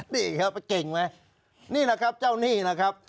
นี่ครับเก่งไหมนี่แหละครับเจ้าหนี้นะครับ